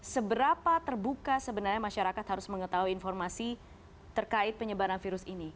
seberapa terbuka sebenarnya masyarakat harus mengetahui informasi terkait penyebaran virus ini